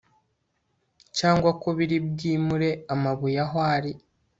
cyangwa ko biri bwimure amabuye aho ari